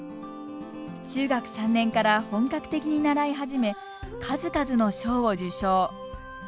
中学３年から本格的に習い始め数々の賞を受賞。